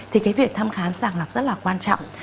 thì cái việc thăm khám sàng lọc rất là quan trọng